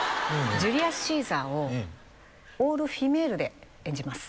「ジュリアス・シーザー」をオールフィメールで演じます